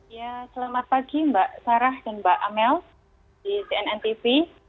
ya selamat pagi mbak sarah dan mbak amel di cnn tv